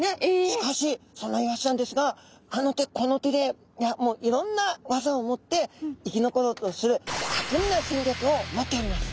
しかしそんなイワシちゃんですがあの手この手でいろんな技を持って生き残ろうとする巧みな戦略を持っております。